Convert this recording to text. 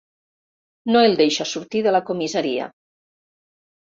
No el deixa sortir de la comissaria.